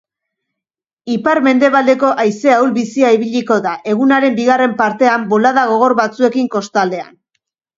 Ipar-mendebaldeko haize ahul-bizia ibiliko da, egunaren bigarren partean bolada gogor batzuekin kostaldean.